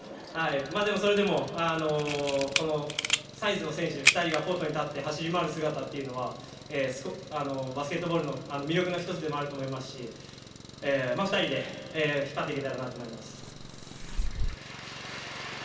でも、それでもこのサイズの選手が２人コートに立って走り回る姿というのはバスケットボールの魅力の１つでもあると思いますし２人で引っ張っていけたらなと思います。